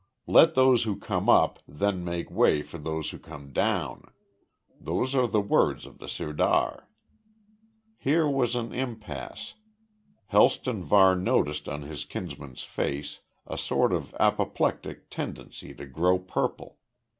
`Let those who come up then make way for those who come down.' Those are the words of the sirdar." Here was an impasse. Helston Varne noticed on his kinsman's face a sort of apoplectic tendency to grow purple.